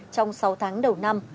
trong sáu tháng đầu năm